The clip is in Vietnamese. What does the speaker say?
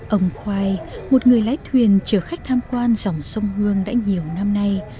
ông khoai một người lái thuyền chở khách tham quan dòng sông hương đã nhiều năm nay